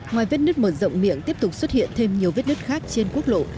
ngoài vết nứt mở rộng miệng tiếp tục xuất hiện thêm nhiều vết nứt khác trên quốc lộ